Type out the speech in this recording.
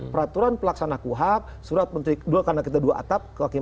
peraturan pelaksana kuhap surat menteri kedua karena kita dua atap